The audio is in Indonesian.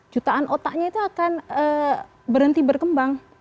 jutaan otaknya itu akan berhenti berkembang